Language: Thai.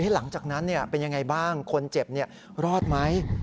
หลังจากนั้นเป็นยังไงบ้างคนเจ็บรอดไหม